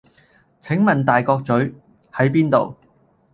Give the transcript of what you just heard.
請問大角嘴…喺邊度？